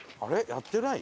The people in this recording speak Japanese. やってない？